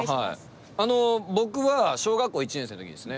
あの僕は小学校１年生の時ですね。